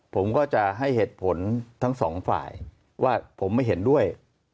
ผมก็จะให้เหตุผลทั้งสองฝ่ายว่าผมไม่เห็นด้วย